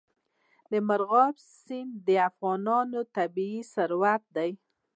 مورغاب سیند د افغانستان طبعي ثروت دی.